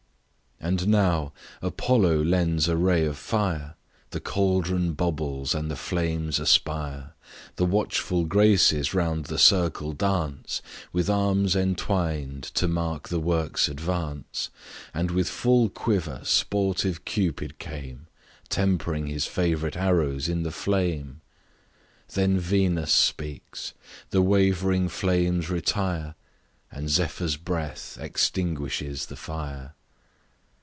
And now Apollo lends a ray of fire, The caldron bubbles, and the flames aspire; The watchful Graces round the circle dance, With arms entwined to mark the work's advance; And with full quiver sportive Cupid came, Temp'ring his favourite arrows in the flame. Then Venus speaks, the wavering flames retire, And Zephyr's breath extinguishes the fire.